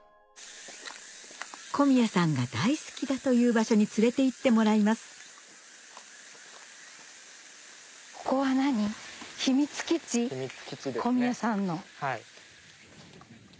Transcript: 小宮さんが大好きだという場所に連れていってもらいます秘密基地ですねはい。